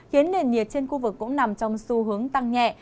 khiến nền nhiệt trên khu vực cũng nằm trong xu hướng tăng nhẹ